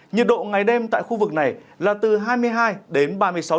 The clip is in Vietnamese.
nhiệt độ ngày đêm tại khu vực này là từ hai mươi hai ba mươi bảy độ